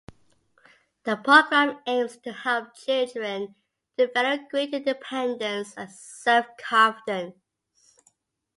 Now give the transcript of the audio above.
The program aims to help children develop greater independence and self-confidence.